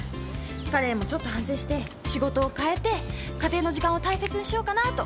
彼もちょっと反省して仕事を変えて家庭の時間を大切にしようかなと考えてるようです。